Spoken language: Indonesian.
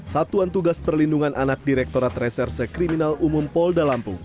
satuan tugas perlindungan anak direkturat reserse kriminal umum polda lampung